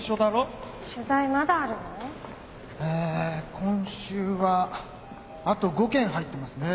今週はあと５件入ってますね。